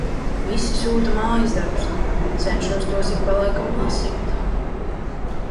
Visi sūta mājas darbus, cenšos tos ik pa laikam lasīt.